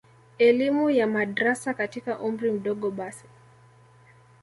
elimu ya madrasa katika umri mdogo basi